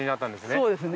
そうですね。